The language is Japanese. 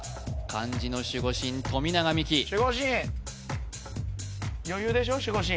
漢字の守護神富永美樹守護神！